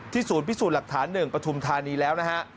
ศูนย์พิสูจน์หลักฐาน๑ปฐุมธานีแล้วนะฮะ